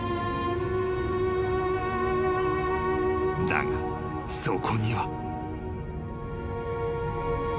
［だがそこには］